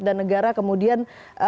dan negara kemudian